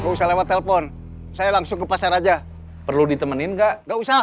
nggak usah lewat telepon saya langsung ke pasar aja perlu ditemenin enggak enggak usah